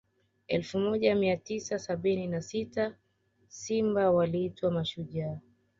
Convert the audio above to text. elfu moja mia tisa sabini na sita simba waliitwa mashujaa